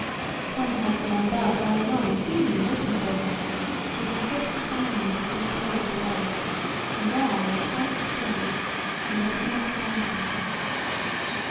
Tom heard the men above run along seemingly looking for him; but he drifted down into the deep hole below, and there lay quite still, and they could not find him.